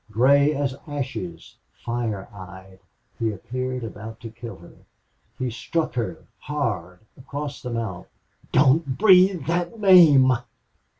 Gray as ashes, fire eyed, he appeared about to kill her. He struck her hard across the mouth. "Don't breathe that name!"